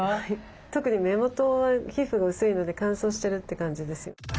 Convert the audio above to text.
特に目元は皮膚が薄いので乾燥してるって感じです。